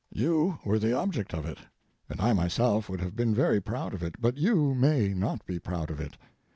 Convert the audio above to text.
You were the object of it, and I myself would have been very proud of it, but you may not be proud of it.